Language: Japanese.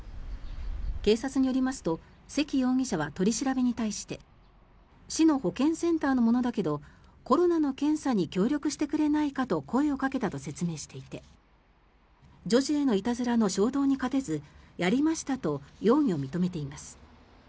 警察によりますと関容疑者は取り調べに対して市の保健センターの者だけどコロナの検査に協力してくれないかと声をかけたと説明していて女児へのいたずらの衝動に勝てずやりましたと容疑を認めています。